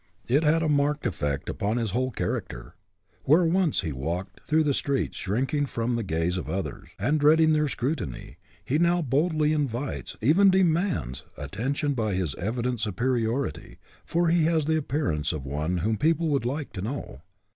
It had a marked effect upon his whole character. Where he once walked through the streets shrinking from the gaze of others and dreading their scrutiny, he now boldly invites, even demands, attention by his evident supe iority, for he has the appearance of one whom people would like to know.